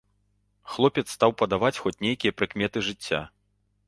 Хлопец стаў падаваць хоць нейкія прыкметы жыцця.